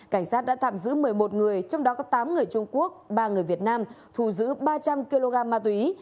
cảnh sát đã tạm giữ một mươi một người trong đó có tám người trung quốc ba người việt nam thù giữ ba trăm linh kg ma túy